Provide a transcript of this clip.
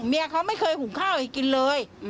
เมียเขาไม่เคยหุงข้าวให้กินเลย